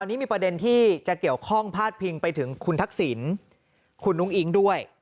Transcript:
อันนี้มีประเด็นที่จะเกี่ยวข้องพาดพิงไปถึงคุณทักษิณคุณอุ้งอิ๊งด้วย